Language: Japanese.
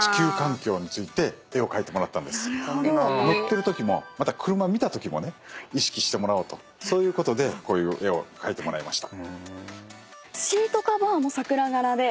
乗ってるときもまた車を見たときも意識してもらおうとそういうことでこういう絵を描いてもらいました。